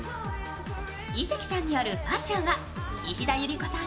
井関さんによるファッションは石田ゆり子さん